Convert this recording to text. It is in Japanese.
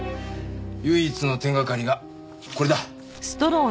唯一の手掛かりがこれだ。